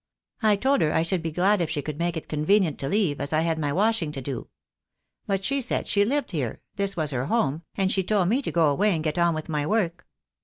I told her I should be glad if she could make it convenient to leave, as I had my washing to do. But she said she lived here, this was her home, and she told me to go away and get on with my work.